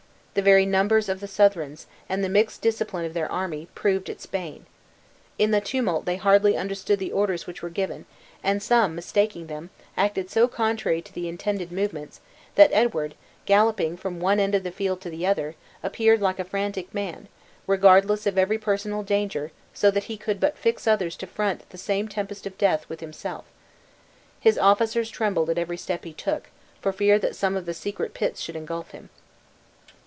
The very numbers of the Southrons, and the mixed discipline of their army, proved its bane. In the tumult they hardly understood the orders which were given; and some mistaking them, acted so contrary to the intended movements, that Edward, galloping from one end of the field to the other, appeared like a frantic man, regardless of every personal danger, so that he could but fix others to front the same tempest of death with himself. His officers trembled at every step he took, for fear that some of the secret pits should ingulf him.